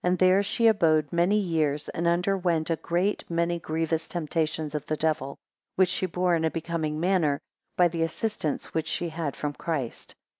There she abode many years, and underwent a great many grievous temptations of the devil, which she bore in a becoming manner, by the assistance which she had from Christ.